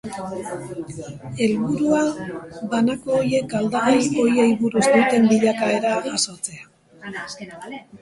Helburua, banako horiek aldagai horiei buruz duten bilakaera jasotzea.